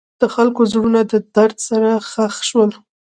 د خلکو زړونه د درد سره ښخ شول.